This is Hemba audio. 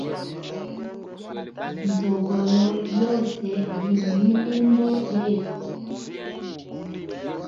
Nzogolo yose yi mwilimbo yetu.